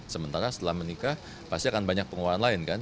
sementara setelah menikah pasti akan banyak pengeluaran lain kan